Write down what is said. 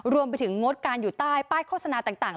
รวมไปถึงงดการอยู่ใต้ป้ายโฆษณาต่าง